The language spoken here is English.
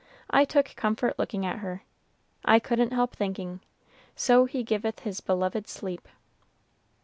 I took comfort looking at her. I couldn't help thinking: 'So he giveth his beloved sleep!'"